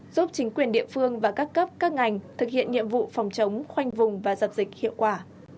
giúp chính quyền địa phương và các cấp các ngành thực hiện nhiệm vụ phòng chống khoanh vùng và dập dịch hiệu quả